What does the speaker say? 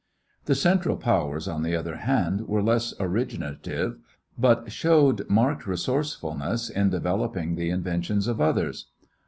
The Central Powers, on the other hand, were less originative but showed marked resourcefulness in developing the inventions of others.